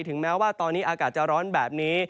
ถึงแม้ว่าตอนนี้อากาศจะร้อนแบบนี้